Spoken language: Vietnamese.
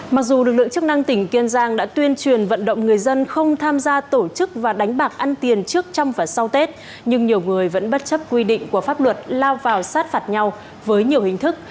mặc dù lực lượng chức năng tỉnh kiên giang đã tuyên truyền vận động người dân không tham gia tổ chức và đánh bạc ăn tiền trước trong và sau tết nhưng nhiều người vẫn bất chấp quy định của pháp luật lao vào sát phạt nhau với nhiều hình thức